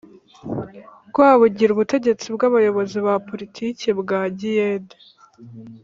Rwabugiri ubutegetsi bw abayobozi ba poritiki bwagiyede